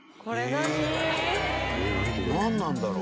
「なんなんだろう？」